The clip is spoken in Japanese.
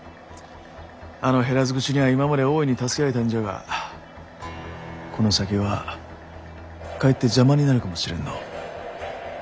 あの減らず口にゃ今まで大いに助けられたんじゃがこの先はかえって邪魔になるかもしれんのう。